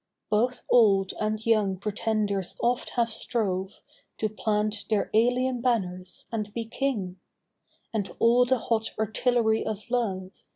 Both old and young pretenders oft have strove To plant their alien banners, and be King ; And all the hot artillery of love.